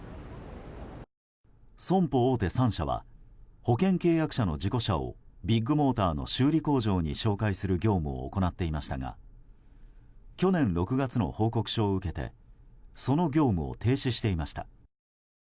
損保大手３社は保険契約者の事故車をビッグモーターの修理工場に紹介する業務を行っていましたが去年６月の報告書を受けてその業務を停止していました。